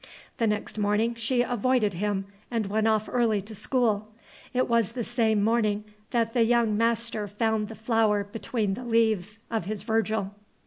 The next morning she avoided him and went off early to school. It was the same morning that the young master found the flower between the leaves of his Virgil.